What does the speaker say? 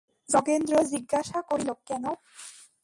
যোগেন্দ্র জিজ্ঞাসা করিল, কেন?